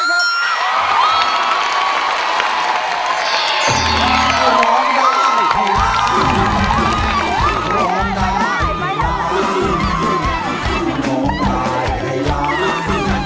เลขที่๑นะครับมูลค่า๑หมื่นบาทคุณเพียรร้อง